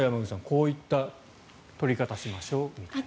こういった取り方をしましょうと。